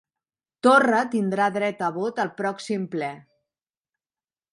Torra tindrà dret a vot al pròxim ple